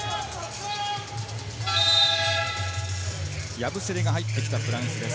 ヤブセレが入ってきたフランスです。